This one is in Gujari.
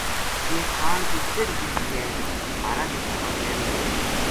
جے کھان کی کہڑی کہڑٖی شے مھارا جسم واسطے مفید